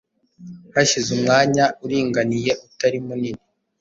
hashize umwanya uringaniye utari munini